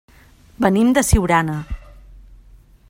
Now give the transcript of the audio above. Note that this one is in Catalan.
Venim de Siurana.